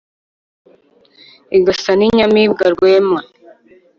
igasa n’ inyamibwa rwema